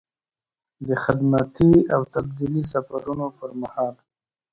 د خدمتي او تبدیلي سفرونو پر مهال.